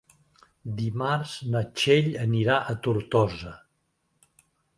Dimarts na Txell anirà a Tortosa.